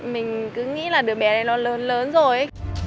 mình cứ nghĩ là đứa bé này nó lớn lớn rồi